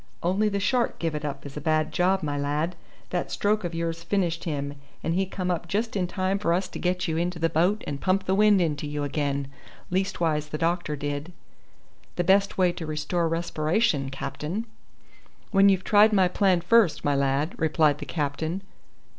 "Only the shark give it up as a bad job, my lad. That stroke of yours finished him, and he come up just in time for us to get you into the boat and pump the wind into you again leastwise the doctor did." "The best way to restore respiration, captain." "When you've tried my plan first, my lad," replied the captain.